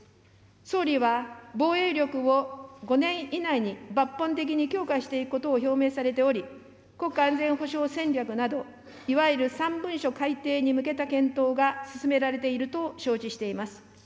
総理は防衛力を５年以内に抜本的に強化していくことを表明されており、国家安全保障戦略などいわゆる３文書改定に向けた検討が進められていると承知しています。